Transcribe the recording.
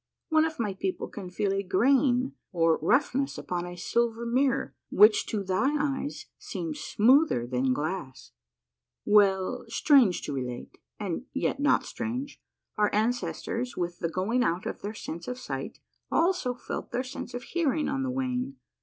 One of my people can feel a grain or roughness upon a silver mirror which to thy eyes seems smoother than glass. Well, strange to relate, and yet not strange, our ancestors with the going out of their sense of sight also felt their sense of hearing on the wane.